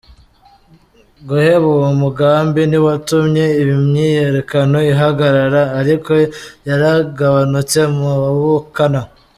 Guheba uwo mugambi ntiwatumye imyiyerekano ihagarara, ariko yaragabanutse mu bukana.